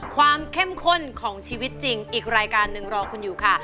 เข้มข้นของชีวิตจริงอีกรายการหนึ่งรอคุณอยู่ค่ะ